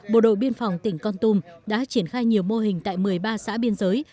bộ đội biên phòng tỉnh con tum đã triển khai nhiều mô hình tại một mươi ba xã biên giới